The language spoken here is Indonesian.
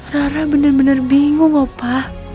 rara bener bener bingung opa